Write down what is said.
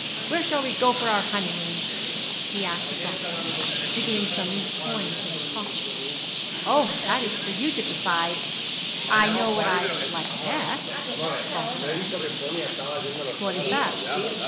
'Where shall we go for our honeymoon? he asked abruptly, jingling some loose coins in his pocket. 'Oh, that is for you to decide. I I know what I should like best,' faltered Ida. 'What is that?'